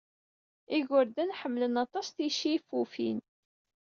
Igerdan ḥemmlen aṭas ticifufin.